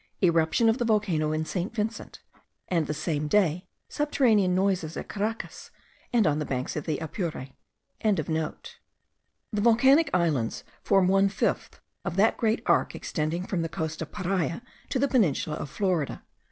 Eruption of the volcano in St. Vincent; and the same day subterranean noises at Caracas, and on the banks of the Apure.) The volcanic islands form one fifth of that great arc extending from the coast of Paria to the peninsula of Florida.